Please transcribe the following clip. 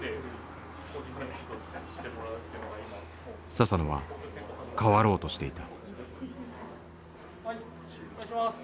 佐々野は変わろうとしていた。